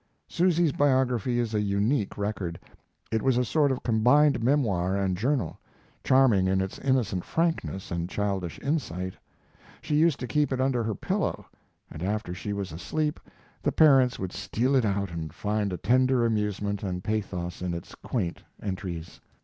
Susy's biography is a unique record. It was a sort of combined memoir and journal, charming in its innocent frankness and childish insight. She used to keep it under her pillow, and after she was asleep the parents would steal it out and find a tender amusement and pathos in its quaint entries.